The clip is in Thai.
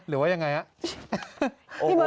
หรือว่ายังไง